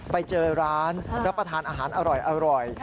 ไปเจอร้านรับประทานอาหารอร่อย